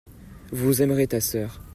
vous aimerez ta sœur.